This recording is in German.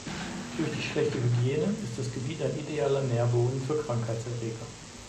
Durch die schlechte Hygiene ist das Gebiet ein idealer Nährboden für Krankheitserreger.